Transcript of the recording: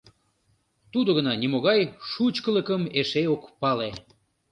Тудо гына нимогай шучкылыкым эше ок пале.